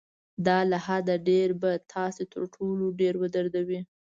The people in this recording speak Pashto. دا له حده ډېر به تاسو تر ټولو ډېر ودردوي.